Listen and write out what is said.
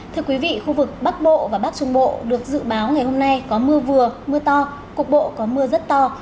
thưa quý vị khu vực bắc bộ và bắc trung bộ được dự báo ngày hôm nay có mưa vừa mưa to cục bộ có mưa rất to